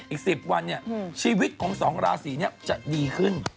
อีก๑๐วันเนี่ยชีวิตของ๒ราศีนี้จะดีขึ้น